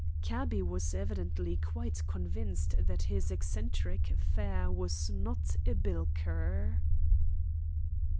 Cabby was evidently quite convinced that his eccentric fare was not a bilker.